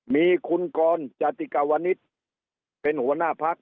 มีคุณกรจติกาวณิฤทธิ์เป็นหัวหน้าพรรค